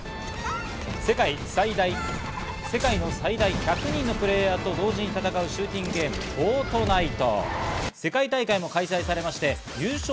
世界最大の１００人のプレーヤーと同時に戦うシューティングゲーム『フォートナイト』。